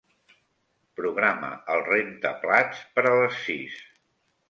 Programa el rentaplats per a les sis.